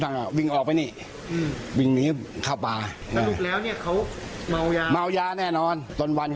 ตอนวันเขาขู่แม่เขาแล้วว่าระวังตัวให้ดี